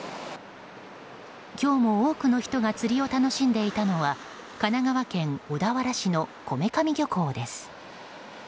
今日も多くの人が釣りを楽しんでいたのは神奈川県小田原市の米神漁港です。